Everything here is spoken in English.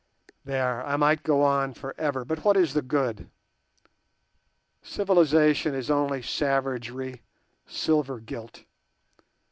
There, I might go on for ever, but what is the good? Civilization is only savagery silver gilt.